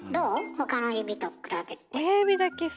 他の指と比べて。